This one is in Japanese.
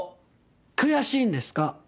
悔しいんですか？